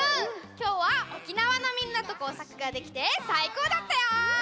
きょうは沖縄のみんなと工作ができてさいこうだったよ！